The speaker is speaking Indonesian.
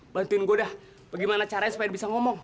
bantuin gua dah bagaimana caranya supaya dia bisa ngomong